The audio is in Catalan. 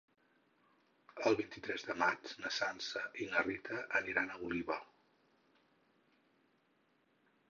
El vint-i-tres de maig na Sança i na Rita aniran a Oliva.